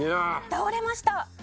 倒れました」